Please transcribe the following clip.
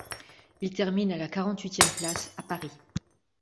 Il termine à la quarante-huitième place à Paris.